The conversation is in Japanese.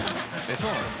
そうなんですか。